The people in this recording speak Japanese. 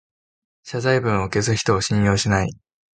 謝罪文を消す人を信用しない